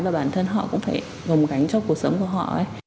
và bản thân họ cũng phải gồng gánh cho cuộc sống của họ